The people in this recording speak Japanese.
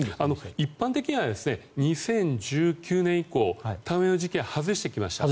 一般的には２０１９年以降田植えの時期は外してきました。